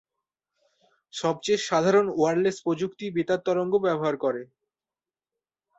সবচেয়ে সাধারণ ওয়্যারলেস প্রযুক্তি বেতার তরঙ্গ ব্যবহার করে।